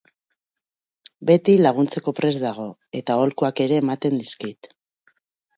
Beti laguntzeko prest dago, eta aholkuak ere ematen dizkit.